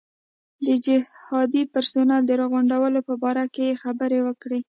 د جهادي پرسونل د راغونډولو په باره کې یې خبرې وکړې.